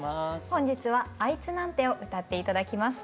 本日は「アイツなんて」を歌って頂きます。